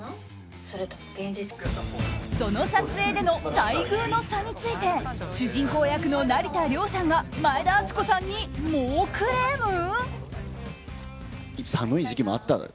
その撮影での待遇の差について主人公役の成田凌さんが前田敦子さんに猛クレーム？